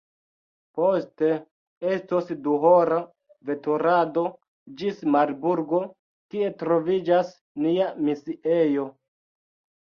Poste estos duhora veturado ĝis Marburgo, kie troviĝas nia misiejo.